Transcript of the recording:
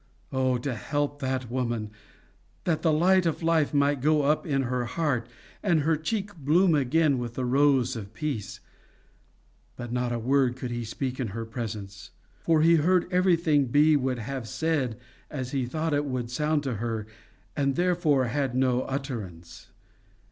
Oh, to help that woman, that the light of life might go up in her heart, and her cheek bloom again with the rose of peace! But not a word could he speak in her presence, for he heard everything he would have said as he thought it would sound to her, and therefore he had no utterance.